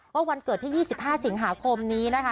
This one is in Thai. วันเกิดที่๒๕สิงหาคมนี้นะคะ